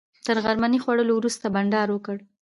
تر غرمنۍ خوړلو وروسته بانډار وکړ.